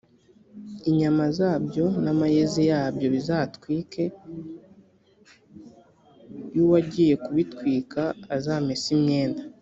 inyama zabyo n amayezi yabyo bazabitwike y uwagiye kubitwika azamese imyenda